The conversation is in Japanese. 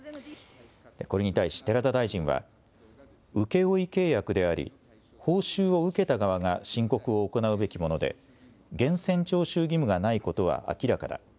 これに対し寺田大臣は請負契約であり報酬を受けた側が申告を行うべきもので源泉徴収義務がないことは明らかだ。